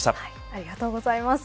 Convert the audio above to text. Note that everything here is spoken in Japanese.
ありがとうございます。